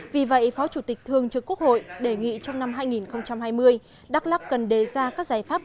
vì vậy phó chủ tịch thường trực quốc hội đề nghị trong năm hai nghìn hai mươi đắk lắc cần đề ra các giải pháp